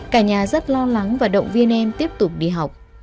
cả nhà rất lo lắng và động viên em tiếp tục đi học